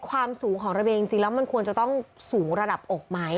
ความสูงของระเบียงจริงแล้วมันควรจะต้องสูงระดับอกไหม